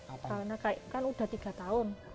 karena kan udah tiga tahun